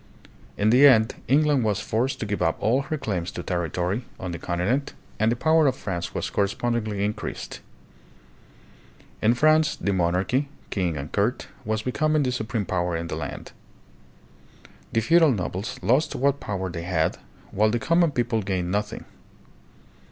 In the end, England was forced to give up all her claims to territory on the continent, and the power of France was correspondingly increased. In France the mpnarchy (king and court) was becoming the supreme power in the land. The feudal nobles lost what power they had, while the common people gained nothing.